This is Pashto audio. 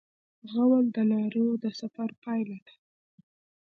غول د ناروغ د سفر پایله ده.